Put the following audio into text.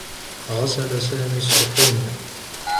غسل سامي الصحون.